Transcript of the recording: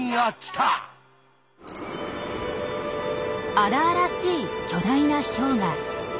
荒々しい巨大な氷河。